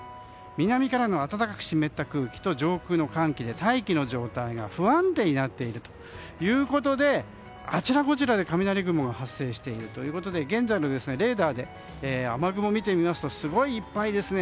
南からの暖かく湿った空気と上空の寒気で大気の状態が不安定になっているということであちらこちらで雷雲が発生しているということで現在のレーダーで雨雲を見てみますとすごいいっぱいですね